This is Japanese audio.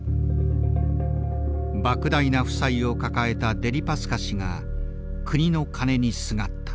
「ばく大な負債を抱えたデリパスカ氏が国の金にすがった」。